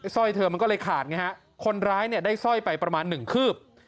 ร้อยเธอมันก็เลยขาดไงฮะคนร้ายเนี่ยได้สร้อยไปประมาณหนึ่งคืบ